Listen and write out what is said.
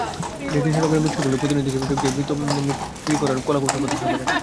তিনি কৃষ্ণনগরের মৃৎশিল্পীদের প্রতিনিধি হিসাবে যোগ দিয়ে মৃর্তিগড়ার কলাকৌশল প্রদর্শন করেন।